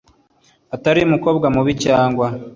utari umukobwa mubi cyangwa